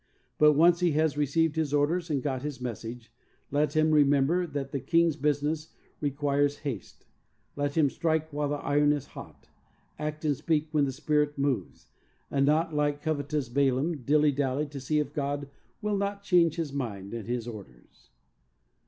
But once he has received his orders and got his message, let him remember that "the King's business re OBEDIENCE. 13 quires haste;" let him "strike while the iron is hot;" act and speak when the Spirit moves, and not like covetous Balaam dilly dally to see if God will not change His mind and His orders.